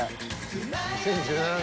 ２０１７年。